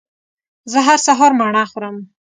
زه هر سهار مڼه خورم